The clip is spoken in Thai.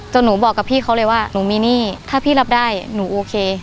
หนูบอกกับพี่เขาเลยว่าหนูมีหนี้ถ้าพี่รับได้หนูโอเค